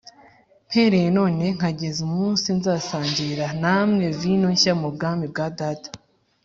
mpereye none nkageza umunsi nzasangirira namwe vino nshya mu bwami bwa Data